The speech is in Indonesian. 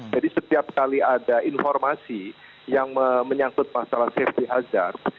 jadi setiap kali ada informasi yang menyangkut masalah safety hazard